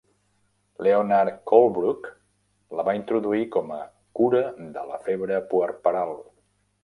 Leonard Colebrook la va introduir com a cura de la febre puerperal.